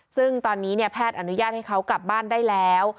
ซึ่งตอนนี้แพทย์อนุญาตให้เขากลับบ้านได้แล้ว